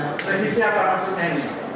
revisi apa maksudnya ini